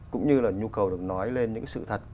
cũng như là nhu cầu được nói lên những sự thật